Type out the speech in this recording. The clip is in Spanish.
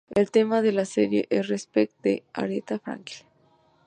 El tema de la serie es "Respect" de Aretha Franklin.